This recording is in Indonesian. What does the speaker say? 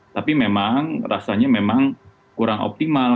tapi memang rasanya memang kurang optimal